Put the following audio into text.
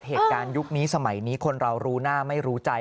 เหตุการณ์ยุคนี้สมัยนี้คนเรารู้หน้าไม่รู้ใจ